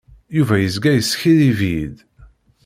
Yuba yezga yeskiddib-iyi-d.